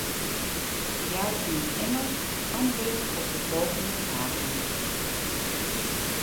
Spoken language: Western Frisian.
Jou yn it Ingelsk antwurd op de folgjende fragen.